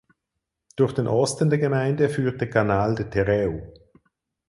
Durch den Osten der Gemeinde führt der Canal de Terreu.